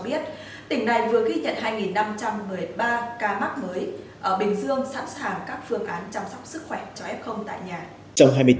biết tỉnh này vừa ghi nhận hai năm trăm một mươi ba ca mắc mới bình dương sẵn sàng các phương án chăm sóc sức